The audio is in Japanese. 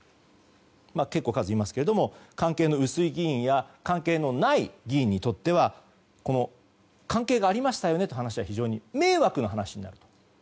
結構、数がいますけれども関係の薄い議員や関係のない議員にとっては関係がありましたよねという話は非常に迷惑な話になっている。